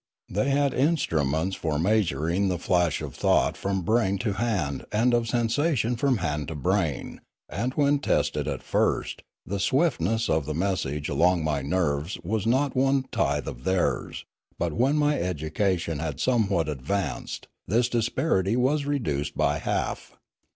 They had instruments 282 Limanora for measuring the flash of thought from brain to hand and of sensation from hand to brain, and when tested at first, the swiftness of the message along my nerves was not one tithe of theirs, but when my education had somewhat advanced, this disparity was reduced by half.